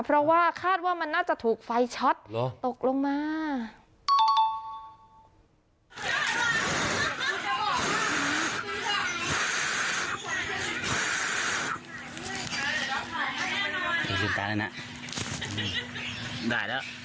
เพราะว่าคาดว่ามันน่าจะถูกไฟช็อตตกลงมา